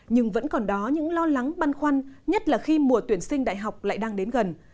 nhưng vẫn còn đó những lo lắng băn khoăn nhất là khi mùa tuyển sinh đại học lại đang đến gần